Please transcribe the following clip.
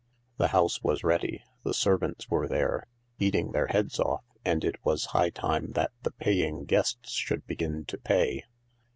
The house was ready, the servants were there, eating their heads off, and it was high time that the paying guests should begin to pay.